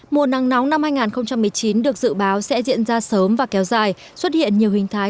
mùa nắng nóng năm hai nghìn một mươi chín được dự báo sẽ diễn ra sớm và kéo dài xuất hiện nhiều hình thái